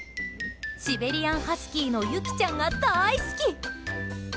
シベリアンハスキーのユキちゃんが大好き！